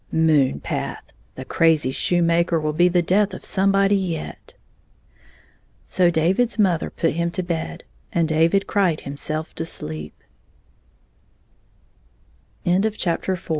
Moon path! The crazy shoe maker will be the death of somebody yet !" So David's mother put him to bed, and David cried himself to s